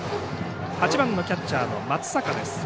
８番のキャッチャーの松坂です。